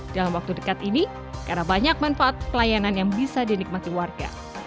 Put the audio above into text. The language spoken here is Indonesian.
dalam waktu dekat ini karena banyak manfaat pelayanan yang bisa dinikmati warga